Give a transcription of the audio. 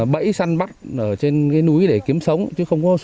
bẫy săn bắt ở trên núi để kiếm sống